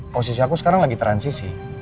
posisi aku sekarang lagi transisi